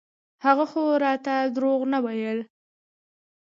هغه خو راته دروغ نه ويل.